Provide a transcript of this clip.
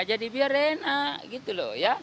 jadi biar enak gitu loh ya